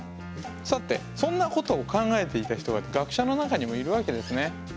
さてそんなことを考えていた人が学者の中にもいるわけですね。